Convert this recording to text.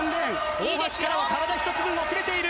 大橋からは体１つ分遅れている。